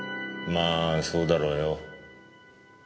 まあそうだろうよ。